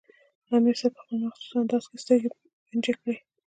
امیر صېب پۀ خپل مخصوص انداز کښې سترګې بنجې کړې